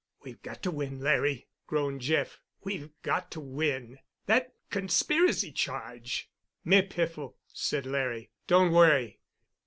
"We've got to win, Larry," groaned Jeff. "We've got to win. That conspiracy charge——" "Mere piffle," said Larry. "Don't worry.